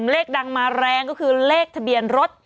เลขดังมาแรงก็คือเลขทะเบียนรถ